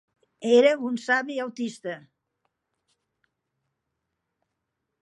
Era un savi autista.